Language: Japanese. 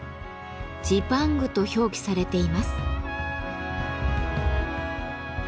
「ジパング」と表記されています。